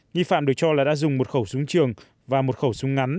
nghi phạm được cho là đã dùng một khẩu súng trường và một khẩu súng ngắn